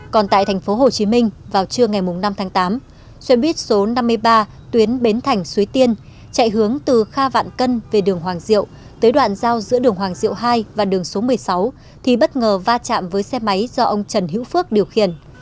còn tại tp hcm vào trưa ngày năm tháng tám xe buýt số năm mươi ba tuyến bến thành suối tiên chạy hướng từ kha vạn cân về đường hoàng diệu tới đoạn giao giữa đường hoàng diệu hai và đường số một mươi sáu thì bất ngờ va chạm với xe máy do ông trần hữu phước điều khiển